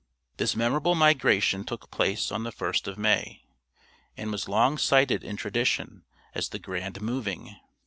This memorable migration took place on the first of May, and was long cited in tradition as the grand moving.